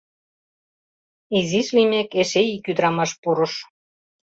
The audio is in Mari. Изиш лиймек, эше ик ӱдырамаш пурыш.